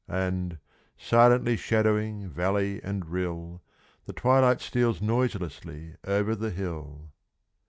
And, silently shadowing valley and rill, The twilight steals noiselessly over the hill.